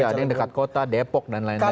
ada yang dekat kota depok dan lain lain